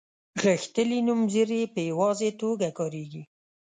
غښتلي نومځري په یوازې توګه کاریږي.